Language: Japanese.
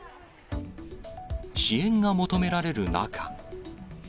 支援が求められる中。